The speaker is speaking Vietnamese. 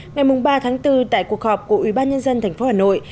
ngày ba tháng bốn tại cuộc họp của ubnd tp hà nội